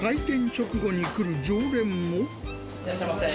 いらっしゃいませ。